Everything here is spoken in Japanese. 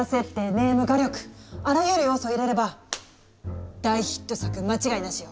・ネーム・画力あらゆる要素を入れれば大ヒット作間違いなしよ。